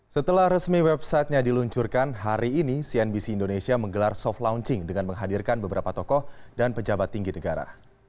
setelah resmi websitenya diluncurkan hari ini cnbc indonesia menggelar soft launching dengan menghadirkan beberapa tokoh dan pejabat tinggi negara